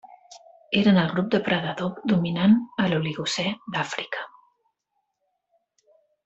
Eren el grup depredador dominant a l'Oligocè d'Àfrica.